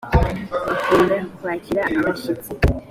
bakunda kwakira abashyitsi.